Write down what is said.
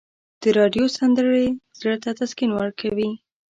د راډیو سندرې زړه ته تسکین ورکوي.